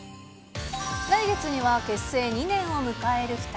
来月には、結成２年を迎える２人。